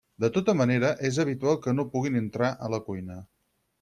De tota manera és habitual que no puguin entrar a la cuina.